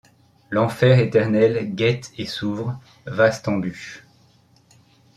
L’enfer éternel guette et s’ouvre, vaste embûche.